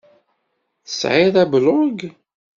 Tesεiḍ ablug?